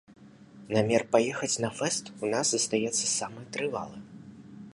Намер паехаць на фэст у нас застаецца самы трывалы.